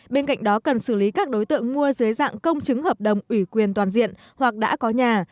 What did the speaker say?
bên cạnh đó cần xử lý các đối tượng mua dưới dạng công chứng hợp đồng ủy quyền toàn diện hoặc đã có nhà